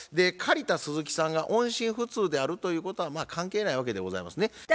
借りた鈴木さんが音信不通であるということは関係ないわけでございますね。